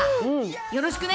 よろしくね。